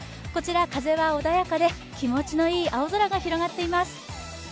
こちら風は穏やかで気持ちのいい青空が広がっています。